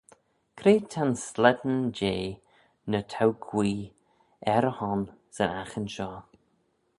Cre ta'n slane jeh ny t'ou guee er y hon 'syn aghin shoh?